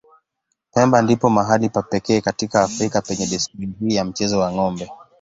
Pemba ndipo mahali pa pekee katika Afrika penye desturi hii ya mchezo wa ng'ombe.